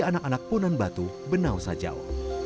anak anak punan batu benau sajau